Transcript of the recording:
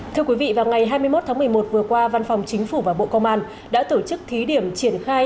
thưa quý vị vào ngày hai mươi một tháng một mươi một vừa qua văn phòng chính phủ và bộ công an đã tổ chức thí điểm triển khai